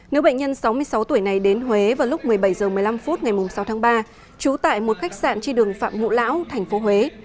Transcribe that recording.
nữ bệnh nhân sáu mươi sáu tuổi này đến huế vào lúc một mươi bảy h một mươi năm phút ngày sáu tháng ba trú tại một khách sạn trên đường phạm ngũ lão thành phố huế